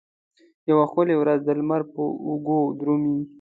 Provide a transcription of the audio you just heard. یوه ښکلې ورځ د لمر په اوږو درومې